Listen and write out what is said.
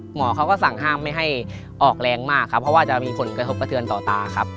หมอเขาก็สั่งห้ามไม่ให้ออกแรงมากครับเพราะว่าจะมีผลกระทบกระเทือนต่อตาครับ